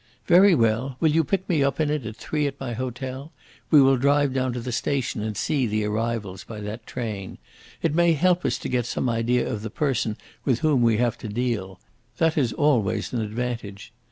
"Very well. Will you pick me up in it at three at my hotel? We will drive down to the station and see the arrivals by that train. It may help us to get some idea of the person with whom we have to deal. That is always an advantage.